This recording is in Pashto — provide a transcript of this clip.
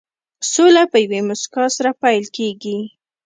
سوله په یوې موسکا سره پيل کېږي.